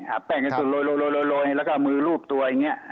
แป้งกระสุนโรยแล้วก็เอามือรูปตัวอย่างนี้